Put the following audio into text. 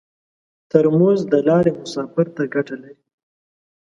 ترموز د لارې مسافر ته ګټه لري.